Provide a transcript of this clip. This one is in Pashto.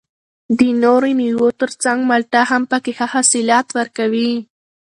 د نورو مېوو تر څنګ مالټه هم پکې ښه حاصلات ورکوي